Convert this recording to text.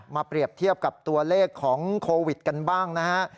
เปรียบเทียบกับตัวเลขของโควิดกันบ้างนะฮะ